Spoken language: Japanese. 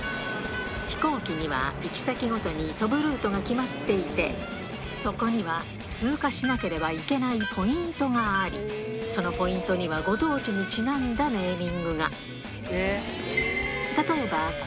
飛行機には行き先ごとに飛ぶルートが決まっていて、そこには通過しなければいけないポイントがあり、そのポイントにはご当地にちなんだネーミングが。